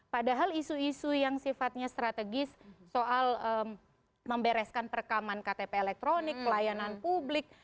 padahal isu isu yang sifatnya strategis soal membereskan perekaman ktp elektronik pelayanan publik